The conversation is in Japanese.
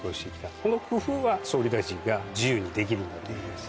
この工夫は総理大臣が自由にできるんだと思います。